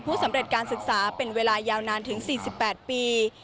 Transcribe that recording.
สำเร็จการศึกษาเป็นเวลายาวนานถึง๔๘ปี